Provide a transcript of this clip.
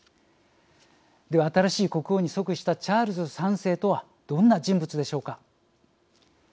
では新しい国王に即位したチャールズ３世とはどんな人物でしょうか。